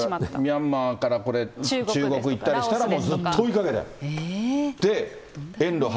ミャンマーからこれ、中国いったり、ずっと追いかけて。